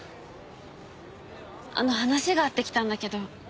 あの話があって来たんだけど。